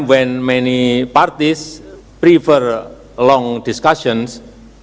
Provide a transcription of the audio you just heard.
dan banyak partai memilih untuk menjalankan diskusi yang panjang